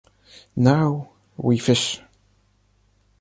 now, we fish.